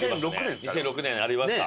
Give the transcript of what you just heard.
２００６年ありました。